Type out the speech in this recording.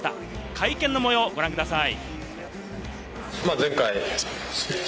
会見の模様をご覧ください。